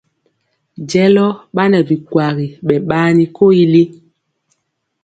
Jɛlɔ ɓa nɛ bikwagi ɓɛ ɓaani koyili.